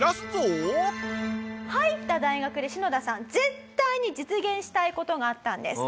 入った大学でシノダさん絶対に実現したい事があったんです。